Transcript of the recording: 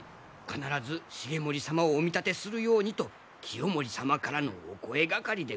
必ず重盛様をおみたてするようにと清盛様からのお声がかりでございますが。